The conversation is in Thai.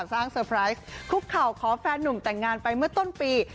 เซอร์ไพรส์คุกเข่าขอแฟนหนุ่มแต่งงานไปเมื่อต้นปี